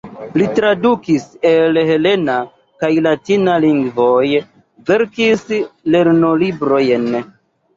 Li tradukis el helena kaj latina lingvoj, verkis lernolibrojn.